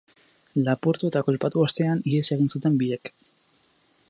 Lapurtu eta kolpatu ostean, ihes egin zuten biek.